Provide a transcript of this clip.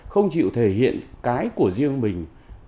không chịu thể hiện cái của riêng mình